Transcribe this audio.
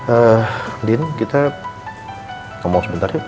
eh andin kita ngomong sebentar yuk